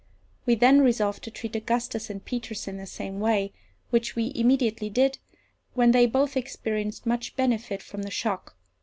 We then resolved to treat Augustus and Peters in the same way, which we immediately did, when they both experienced much benefit from the shock.